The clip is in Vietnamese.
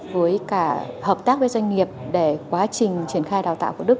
với cả hợp tác với doanh nghiệp để quá trình triển khai đào tạo của đức